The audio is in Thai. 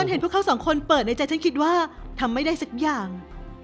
เห็นพวกเขาสองคนเปิดในใจฉันคิดว่าทำไม่ได้สักอย่าง